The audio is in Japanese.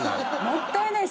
もったいない